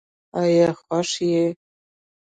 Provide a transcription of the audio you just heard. آیا خوښ یې؟